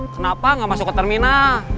kenapa nggak masuk ke terminal